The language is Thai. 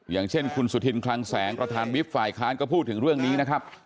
อย่างเช่นคุณสุธินคลังแสงประธานวิบฝ่ายค้านก็พูดถึงเรื่องนี้นะครับ